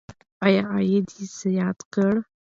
یا عاید زیات کړئ.